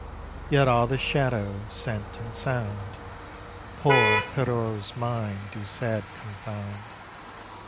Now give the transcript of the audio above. Yet all the shadow, scent and sound Poor Pierrot's mind do sad confound.